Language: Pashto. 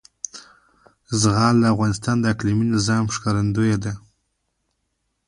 زغال د افغانستان د اقلیمي نظام ښکارندوی ده.